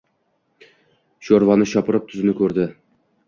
Shoʼrvani shopirib, tuzini koʼrdi.